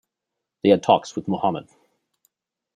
They had talks with Muhammad.